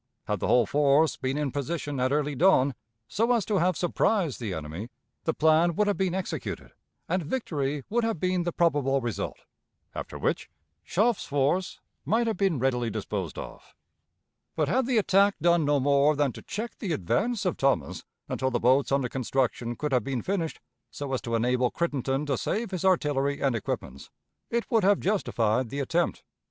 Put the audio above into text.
Had the whole force been in position at early dawn, so as to have surprised the enemy, the plan would have been executed, and victory would have been the probable result; after which, Schöpf's force might have been readily disposed of. But, had the attack done no more than to check the advance of Thomas until the boats under construction could have been finished, so as to enable Crittenden to save his artillery and equipments, it would have justified the attempt.